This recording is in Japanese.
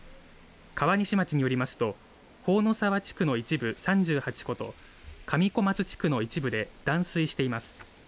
川西町によりますと朴沢地区の一部３８戸と上小松地区の一部で断水しています。